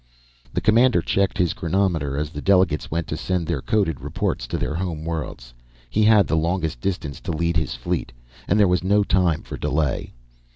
The commander checked his chronometer as the delegates went to send their coded reports to their home worlds. He had the longest distance to lead his fleet, and there was no time for delay.